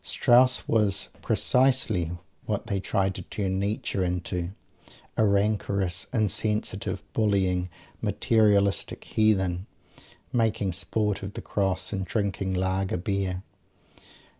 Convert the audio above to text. Strauss was precisely what they try to turn Nietzsche into a rancorous, insensitive, bullying, materialistic Heathen, making sport of "the Cross" and drinking Laager Beer.